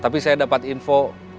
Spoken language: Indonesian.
tapi saya dapat info